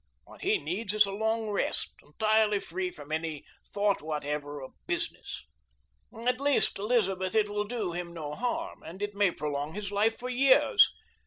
What he needs is a long rest, entirely free from any thought whatever of business. At least, Elizabeth, it will do him no harm, and it may prolong his life for years.